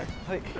はい